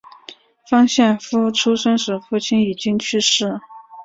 方献夫出生时父亲已经去世。